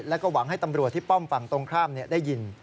แล้วก็หวังให้ตำรวจที่ป้อมฝั่งตรงข้ามได้ยิน